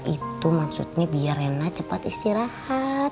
itu maksudnya biar enak cepat istirahat